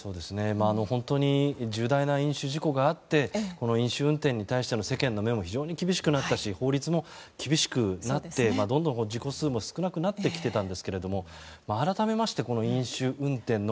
本当に、重大な飲酒事故があって飲酒運転に対しての世間の目も非常に厳しくなったし法律も厳しくなってどんどん事故数も少なくなってきていたんですけど改めまして飲酒運転の。